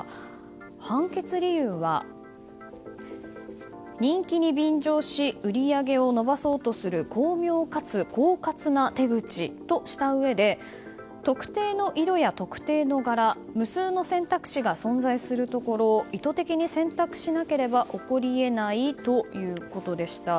判決理由は、人気に便乗し売り上げを伸ばそうとする巧妙かつ狡猾な手口としたうえで特定の色や特定の柄無数の選択肢が存在するところ意図的に選択しなければ起こりえないということでした。